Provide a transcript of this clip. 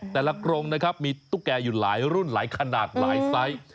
กรงนะครับมีตุ๊กแก่อยู่หลายรุ่นหลายขนาดหลายไซส์